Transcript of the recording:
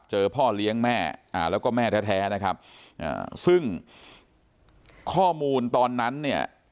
พ่อเลี้ยงแม่แล้วก็แม่แท้นะครับซึ่งข้อมูลตอนนั้นเนี่ย